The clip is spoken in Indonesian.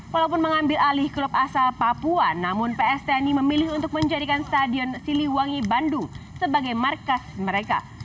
walaupun mengambil alih klub asal papua namun ps tni memilih untuk menjadikan stadion siliwangi bandung sebagai markas mereka